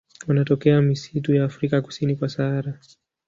Wanatokea misitu ya Afrika kusini kwa Sahara.